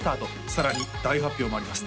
さらに大発表もあります